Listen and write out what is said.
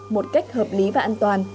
một cách hợp lý và an toàn